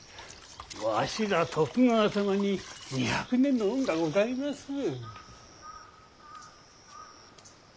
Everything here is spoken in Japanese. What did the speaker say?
わしらは徳川様に二百年の恩がございまする。